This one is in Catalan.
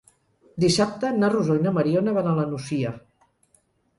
Dissabte na Rosó i na Mariona van a la Nucia.